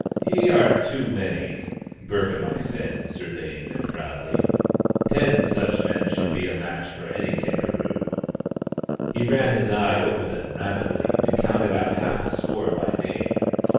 " Ye are too many," Burkamukk said, surveying them proudly. " Ten such men should be a match for any kangaroo," He ran his eye over them rapidly and counted out half a score by name.